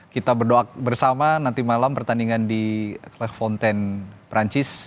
dua satu kita berdoa bersama nanti malam pertandingan di clegg fontaine perancis